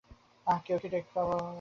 আহ, কেউ কি টেক সাপোর্টে কল করেছিলে?